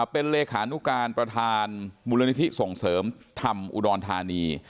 เป็นเลขานุการประธานมูลนิธิส่งเสริมธรรมอุดรธานี